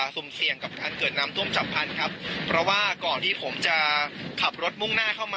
สุ่มเสี่ยงกับการเกิดน้ำท่วมจับพันธุ์ครับเพราะว่าก่อนที่ผมจะขับรถมุ่งหน้าเข้ามา